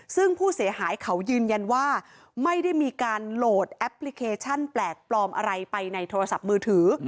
ซึ่งผู้เสียหายเขายืนยันว่าไม่ได้มีการโหลดแอปพลิเคชันแปลกปลอมอะไรไปในโทรศัพท์มือถือ